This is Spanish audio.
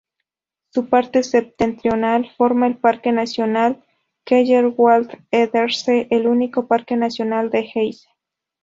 Su parte septentrional forma el parque nacional "Kellerwald-Edersee", el único parque nacional de Hesse.